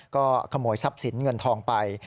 ก็ขโมยทรัพย์สินเงินทองไป